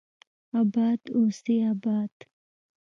اباد اوسي اباد